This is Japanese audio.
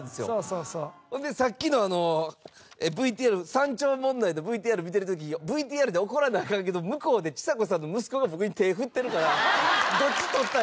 ほんでさっきのＶＴＲ山頂問題のＶＴＲ見てる時ＶＴＲで怒らなアカンけど向こうでちさ子さんの息子が僕に手振ってるからどっち取ったらええねんみたいな。